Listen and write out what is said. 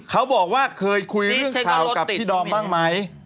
เขาบอกว่าเคยคุยเรื่องข่าวกับพี่ดอมบ้างไหม